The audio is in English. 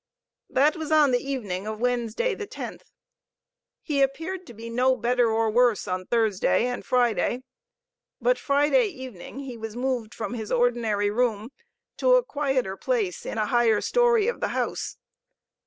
That was on the evening of Wednesday, the 10th. He appeared to be no better or worse on Thursday and Friday. But Friday evening he was moved from his ordinary room to a quieter place in a higher story of the house.